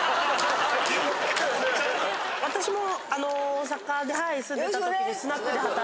私も。